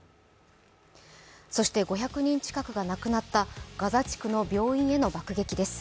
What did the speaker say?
そして５００人近くが亡くなったガザ地区の病院への爆撃です。